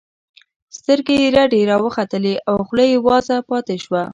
سترګې یې رډې راوختلې او خوله یې وازه پاتې شوه